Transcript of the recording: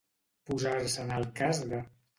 Posar-se en el cas de.